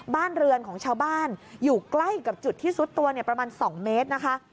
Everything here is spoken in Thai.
บ้านเรือนของชาวบ้านอยู่ใกล้กับจุดที่ซุดตัวประมาณ๒เมตรนะคะ